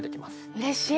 うれしい！